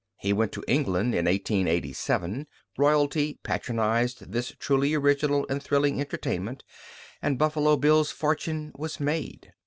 He went to England in 1887; royalty patronized this truly original and thrilling entertainment, and Buffalo Bill's fortune was made.